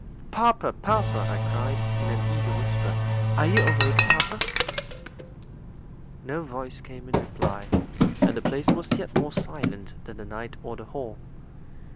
"Papa! papa!" I cried, in an eager whisper. "Are you awake, papa?" No voice came in reply, and the place was yet more silent than the night or the hall.